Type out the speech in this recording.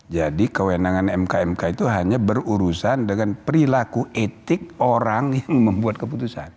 jadi kewenangan mk mk itu hanya berurusan dengan perilaku etik orang yang membuat keputusan